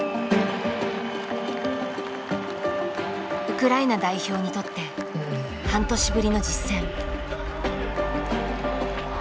ウクライナ代表にとって半年ぶりの実戦。